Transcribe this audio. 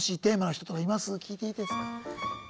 聞いていいですか？